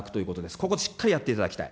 ここ、しっかりやっていただきたい。